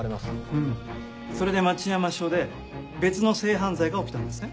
うんそれで町山署で別の性犯罪が起きたんですね？